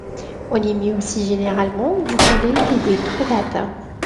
On y met aussi généralement du poulet et des crevettes.